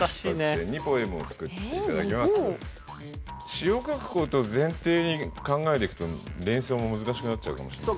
詩を書く事を前提に考えていくと連想も難しくなっちゃうかもしれない。